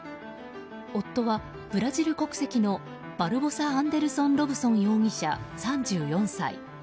夫はブラジル国籍のバルボサ・アンデルソン・ロブソン容疑者３４歳。